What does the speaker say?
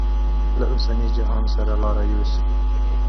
له اوسني جهان سره لاره یوسو.